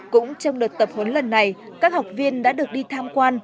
cũng trong đợt tập huấn lần này các học viên đã được đi tham quan